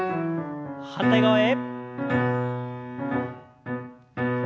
反対側へ。